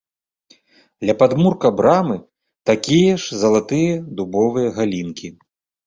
Ля падмурка брамы такія ж залатыя дубовыя галінкі.